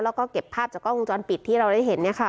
แล้วก็เก็บภาพจากกล้องวงจรปิดที่เราได้เห็น